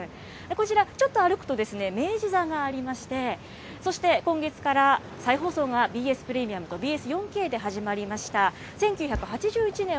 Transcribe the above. こちら、ちょっと歩くと明治座がありまして、そして今月から再放送がＢＳプレミアムとＢＳ４Ｋで始まりました、１９８１年